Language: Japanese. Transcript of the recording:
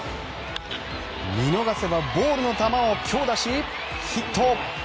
見逃せばボールの球を強打しヒット。